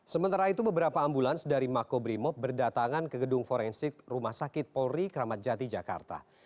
sementara itu beberapa ambulans dari mako brimob berdatangan ke gedung forensik rumah sakit polri kramatjati jakarta